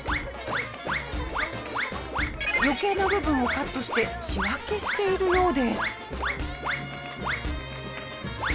余計な部分をカットして仕分けしているようです。